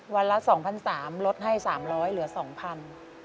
วันละ๒๓๐๐บาทลดให้๓๐๐เหลือ๒๐๐บาท